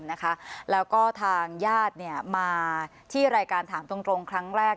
มาทางยาทมาที่รายการถามตรงครั้งแรก